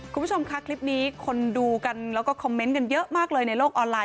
คุณผู้ชมค่ะคลิปนี้คนดูกันแล้วก็คอมเมนต์กันเยอะมากเลยในโลกออนไลน